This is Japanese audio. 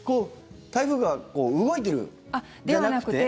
台風がこう動いてるじゃなくて。